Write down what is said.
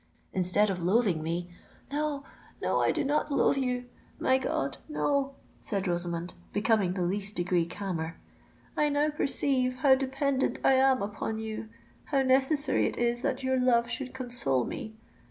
Instead of loathing me——" "No—no, I do not loathe you!—my God—no!" said Rosamond, becoming the least degree calmer. "I now perceive how dependant I am upon you—how necessary it is that your love should console me!